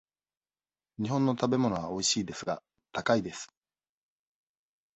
日本の食べ物はおいしいですが、高いです。